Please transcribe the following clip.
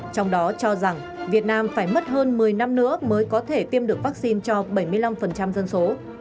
trong đó cho rằng việt nam phải mất hơn một mươi năm nữa mới có thể tiêm được vaccine cho bảy mươi năm dân số